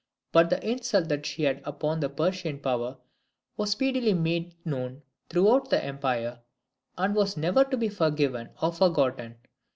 But the insult that she had put upon the Persian power was speedily made known throughout that empire, and was never to be forgiven or forgotten.